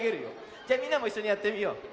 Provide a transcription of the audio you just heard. じゃみんなもいっしょにやってみよう。